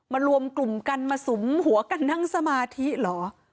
รวมกลุ่มกันมาสุมหัวกันนั่งสมาธิเหรอ